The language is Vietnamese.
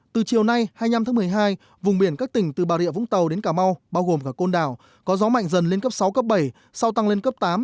từ chiều nay hai mươi năm tháng một mươi hai vùng biển các tỉnh từ bà rịa vũng tàu đến cà mau bao gồm cả côn đảo có gió mạnh dần lên cấp sáu cấp bảy sau tăng lên cấp tám